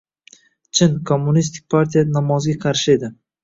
Chin, kommunistik partiya namozga qarshi edi.